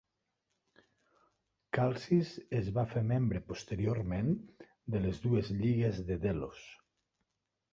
Calcis es va fer membre posteriorment de les dues Lligues de Delos.